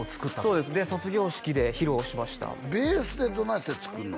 そうですで卒業式で披露しましたベースでどないして作んの？